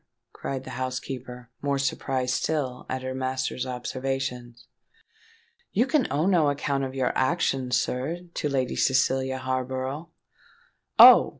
cried the housekeeper, more surprised still at her master's observations. "You can owe no account of your actions, sir, to Lady Cecilia Harborough." "Oh!